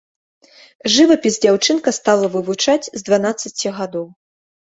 Жывапіс дзяўчынка стала вывучаць з дванаццаці гадоў.